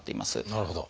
なるほど。